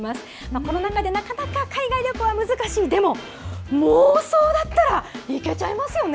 コロナ禍でなかなか海外旅行は難しい、でも、妄想だったら行けちゃいますよね？